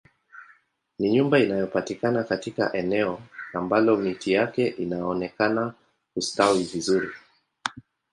Ni nyumba inayopatikana katika eneo ambalo miti yake inaonekana kustawi vizuri